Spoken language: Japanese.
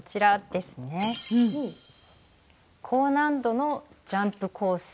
高難度のジャンプ構成。